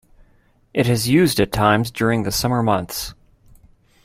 It is used at times during the summer months.